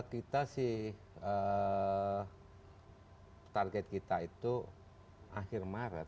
kita sih target kita itu akhir maret